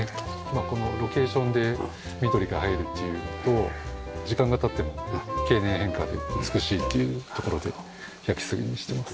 このロケーションで緑が入るっていうのと時間が経っても経年変化で美しいというところで焼杉にしてます。